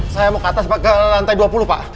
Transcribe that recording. saya mau ke atas pak ke lantai dua puluh pak